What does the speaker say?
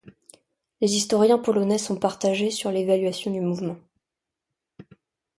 Les historiens polonais sont partagés sur l'évaluation du mouvement.